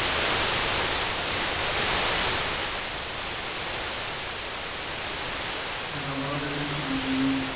Se enamoró de Grecia y de su idioma.